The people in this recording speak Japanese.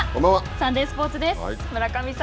サンデースポーツです。